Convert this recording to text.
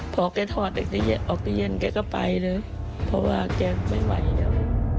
พอแกถอดออกจะเย็นแกก็ไปเลยเพราะว่าแกไม่ไหวแล้ว